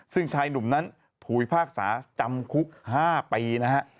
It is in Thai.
ซึ่งชายหนุ่มนั้นถูกพิพากษาจำคุก๕ปีนะฮะ